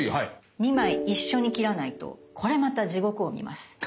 ２枚一緒に切らないとこれまた地獄を見ます。